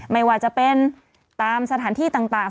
ไม่ว่าจะเป็นตามสถานที่ต่าง